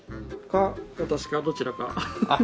か私かどちらか。